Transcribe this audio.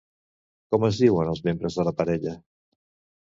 Com es diuen els membres de la parella?